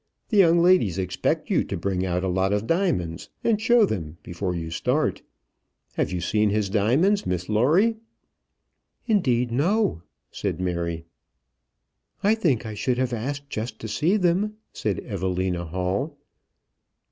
The young ladies expect you to bring out a lot of diamonds and show them before you start. Have you seen his diamonds, Miss Lawrie?" "Indeed no," said Mary. "I think I should have asked just to see them," said Evelina Hall.